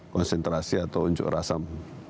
konsentrasi atau unjuk rasa